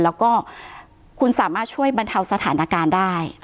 แล้วก็คุณสามารถช่วยบรรเทาสถานการณ์ได้